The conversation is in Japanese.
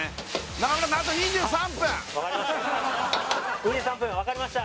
中村君あと２３分２３分わかりました